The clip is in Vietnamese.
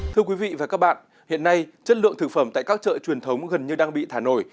thưa quý vị và các bạn hiện nay chất lượng thực phẩm tại các chợ truyền thống gần như đang bị thả nổi